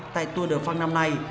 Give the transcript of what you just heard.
tại tour de france năm nay